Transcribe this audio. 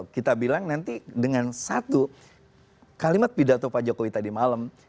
kita bilang nanti dengan satu kalimat pidato pak jokowi tadi malam